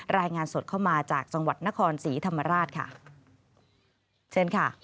รายงานสดเข้ามาจากจังหวัดนครศรีธรรมราช